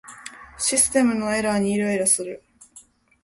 システムのエラーにイライラする